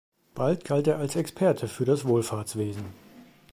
Bald galt er als Experte für das Wohlfahrtswesen.